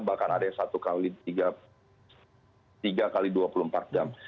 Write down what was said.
bahkan ada yang satu x tiga x dua puluh empat jam